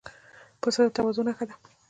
پسه د تواضع نښه ده.